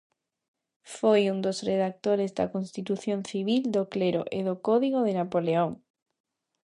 Foi un dos redactores da Constitución Civil do Clero e do Código de Napoleón.